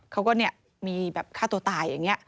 เขาก็มีแบบฆ่าตัวตายอย่างนี้